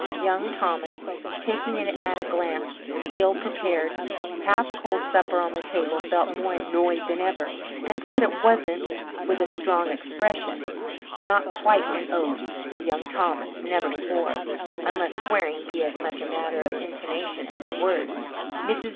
Young Thomas, taking in at a glance the ill prepared, half cold supper on the table, felt more annoyed than ever, and said it wasn't, with a strong expression not quite an oath for Young Thomas never swore, unless swearing be as much a matter of intonation as of words. Mrs.